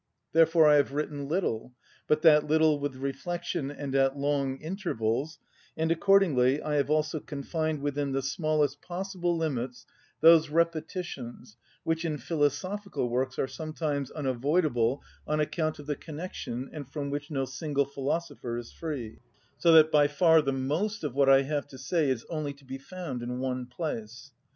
Therefore I have written little, but that little with reflection and at long intervals, and accordingly I have also confined within the smallest possible limits those repetitions which in philosophical works are sometimes unavoidable on account of the connection, and from which no single philosopher is free; so that by far the most of what I have to say is only to be found in one place.